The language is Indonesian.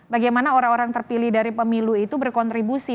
bagaimana orang orang terpilih dari pemilu itu berkontribusi